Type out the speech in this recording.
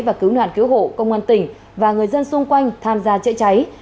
và cứu nạn cứu hộ công an tỉnh và người dân xung quanh tham gia chữa cháy